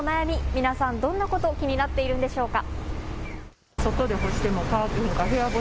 皆さんどんなこと気になっているんでしょうか。